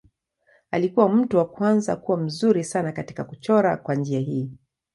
Alikuwa mtu wa kwanza kuwa mzuri sana katika kuchora kwa njia hii.